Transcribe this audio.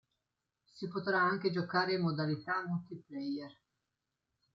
Si potrà anche giocare in modalità multiplayer.